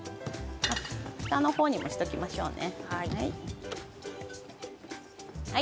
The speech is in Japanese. フタの方にもしておきましょうね。